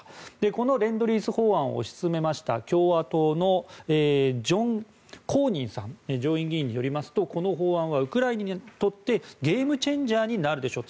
このレンドリース法案を推し進めました共和党のジョン・コーニン上院議員によりますとこの法案はウクライナにとってゲームチェンジャーになるでしょう